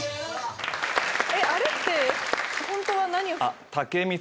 あれってホントは？